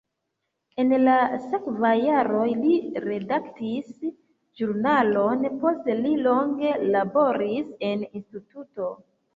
En la sekvaj jaroj li redaktis ĵurnalon, poste li longe laboris en instituto.